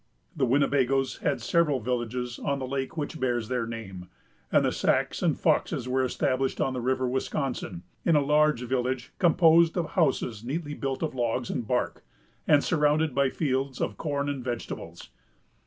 The Winnebagoes had several villages on the lake which bears their name, and the Sacs and Foxes were established on the River Wisconsin, in a large village composed of houses neatly built of logs and bark, and surrounded by fields of corn and vegetables.